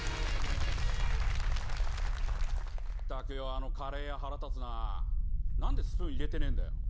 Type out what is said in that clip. あのカレー屋、腹立つななんでスプーン入れてねえんだよ。